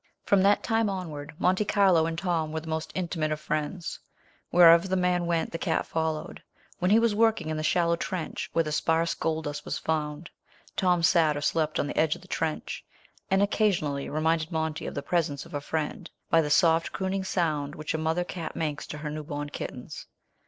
From that time onward, Monte Carlo and Tom were the most intimate of friends. Wherever the man went the cat followed. When he was working in the shallow trench, where the sparse gold dust was found, Tom sat or slept on the edge of the trench, and occasionally reminded Monty of the presence of a friend, by the soft crooning sound which a mother cat makes to her newborn kittens.